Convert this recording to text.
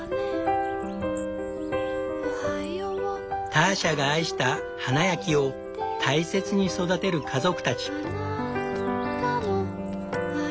ターシャが愛した花や木を大切に育てる家族たち。